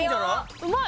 うまい！